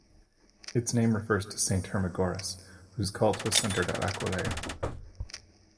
Its name refers to Saint Hermagoras, whose cult was centered at Aquileia.